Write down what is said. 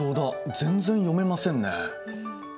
全然読めませんね。